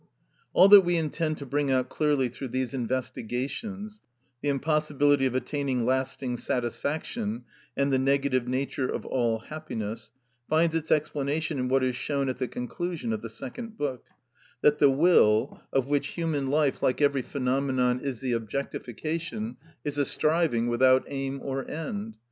All that we intend to bring out clearly through these investigations, the impossibility of attaining lasting satisfaction and the negative nature of all happiness, finds its explanation in what is shown at the conclusion of the Second Book: that the will, of which human life, like every phenomenon, is the objectification, is a striving without aim or end.